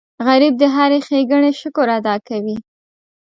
غریب د هرې ښېګڼې شکر ادا کوي